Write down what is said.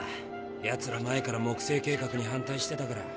やつら前から木星計画に反対してたから。